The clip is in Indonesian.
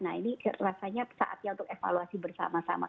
nah ini rasanya saatnya untuk evaluasi bersama sama